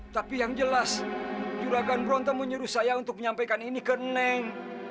tapi yang jelas juragan bronto menyuruh saya untuk menyampaikan ini ke neng